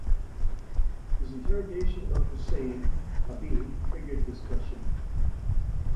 His interrogation of Hussein Abebe triggered discussion.